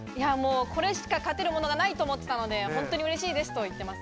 これしか勝てるものがないと思っていたので本当に嬉しいですと言っています。